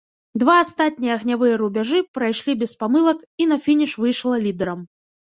Два астатнія агнявыя рубяжы прайшлі без памылак і на фініш выйшла лідарам.